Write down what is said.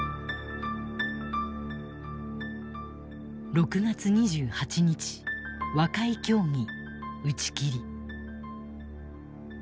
６月２８日和解協議打ち切り。